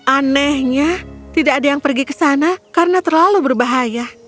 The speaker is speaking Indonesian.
anehnya tidak ada yang pergi ke sana karena terlalu berbahaya